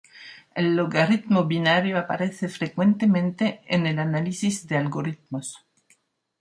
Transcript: El logaritmo binario aparece frecuentemente en el análisis de algoritmos.